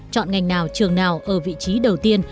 chọn ngành nào trường nào ở vị trí đầu tiên